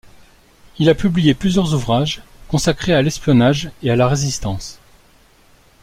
Il a publié plusieurs ouvrages consacrés à l'espionnage et à la Résistance.